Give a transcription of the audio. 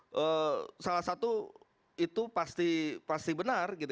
jadi salah satu itu pasti benar